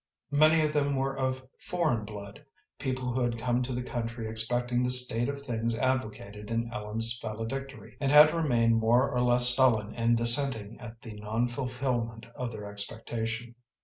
Many of them were of foreign blood, people who had come to the country expecting the state of things advocated in Ellen's valedictory, and had remained more or less sullen and dissenting at the non fulfilment of their expectation.